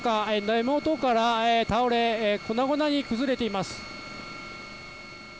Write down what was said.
根元から倒れ、粉々に崩れています。